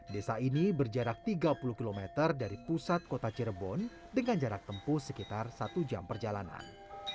desa ini berjarak tiga puluh km dari pusat kota cirebon dengan jarak tempuh sekitar satu jam perjalanan